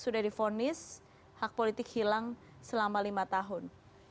sudah difonis hak politik hilang selama lima tahun